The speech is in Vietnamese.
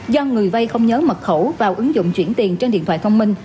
do người vay không nhớ mật khẩu vào ứng dụng chuyển tiền trên điện thoại thông minh